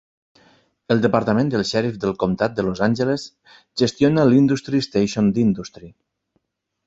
El Departament del Sheriff del comtat de Los Angeles gestiona l'Industry Station d'Industry.